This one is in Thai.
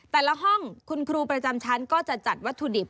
แต่ละห้องคุณครูประจำชั้นก็จะจัดวัตถุดิบ